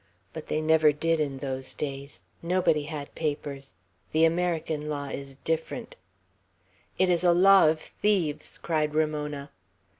But they never did in those days. Nobody had papers. The American law is different." "It's a law of thieves!" cried Ramona.